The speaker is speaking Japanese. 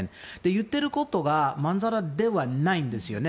言ってることが満更ではないんですよね。